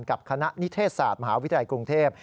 กับคณะนิเทศศาสตร์มหาวิทยาลัยกรุงเทพ